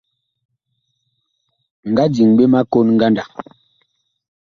Mi nga diŋ ɓe ma kon ngandag.